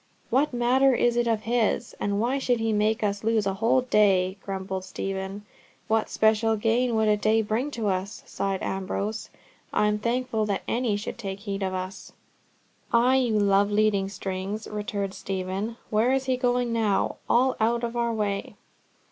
"What matter is it of his? And why should he make us lose a whole day?" grumbled Stephen. "What special gain would a day be to us?" sighed Ambrose. "I am thankful that any should take heed for us." "Ay, you love leading strings," returned Stephen. "Where is he going now? All out of our way!"